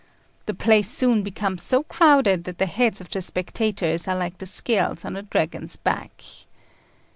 The place soon becomes so crowded that the heads of the spectators are like the scales on a dragon's back.